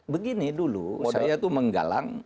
begini dulu saya itu menggalang